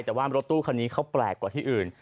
แต่ว่ารถตู้คันนี้เขาแปลกกว่าที่อื่น